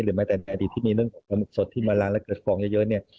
หรือไม่แต่ในอาทิตย์ที่มีเรื่องของกะหมุกสดที่มาล้างแล้วเกิดฟ้องเยอะ